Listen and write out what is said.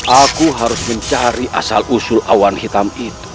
aku harus mencari asal usul awan hitam itu